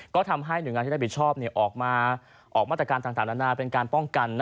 ก็ทำให้หน่วยงานที่รับผิดชอบออกมาออกมาตรการต่างนานาเป็นการป้องกัน